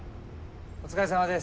お疲れさまです。